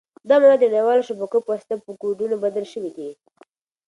دا معلومات د نړیوالو شبکو په واسطه په کوډونو بدل شوي دي.